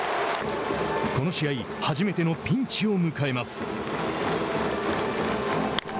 この試合初めてのピンチを迎えます。